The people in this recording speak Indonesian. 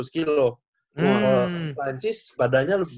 kalau di perancis badannya jauh lebih besar